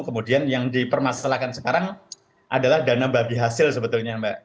kemudian yang dipermasalahkan sekarang adalah dana bagi hasil sebetulnya mbak